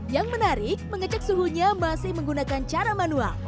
yang menarik mengecek suhunya masih menggunakan cara manual